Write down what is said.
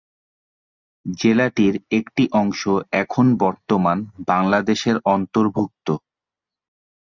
জেলাটির একটি অংশ এখন বর্তমান বাংলাদেশের অন্তর্ভুক্ত।